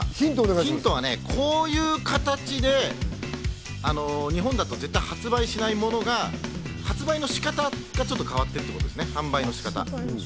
ヒントはね、こういう形で日本だと絶対発売しないものの発売の仕方がちょっと変わってる、販売の仕方が。